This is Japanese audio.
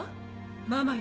ママよ。